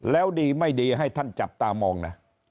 แล้วดีไม่ดีให้ท่านจับตามองนะ